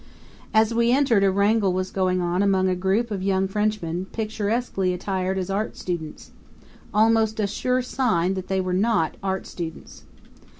As we entered a wrangle was going on among a group of young Frenchmen picturesquely attired as art students almost a sure sign that they were not art students.